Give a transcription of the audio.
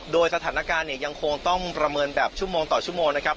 โดยสถานการณ์เนี่ยยังคงต้องประเมินแบบชั่วโมงต่อชั่วโมงนะครับ